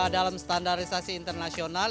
dalam standarisasi internasional